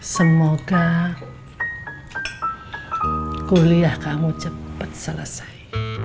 semoga ya udara kamu memulai